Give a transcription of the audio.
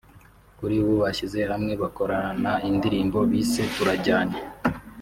kuri ubu bashyize hamwe bakorana indirimbo bise “Turajyanye“